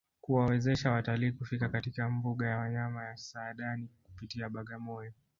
Kuwawezesha watalii kufika katika mbuga ya wanyama ya Saadani kupitia Bagamoyo